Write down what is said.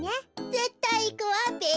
ぜったいいくわべ。